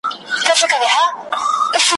څوك مي غلا څوك مي زنا ته هڅولي ,